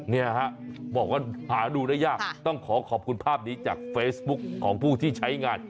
เนี่ยฮะบอกว่าหาดูได้ยากต้องขอขอบคุณภาพนี้จากเฟซบุ๊คของผู้ที่ใช้งาน